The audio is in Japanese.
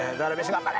頑張れ